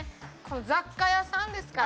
雑貨屋さんですから。